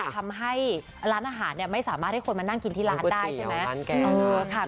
ทำให้ร้านอาหารไม่สามารถให้คนมานั่งกินที่ร้านได้ใช่ไหม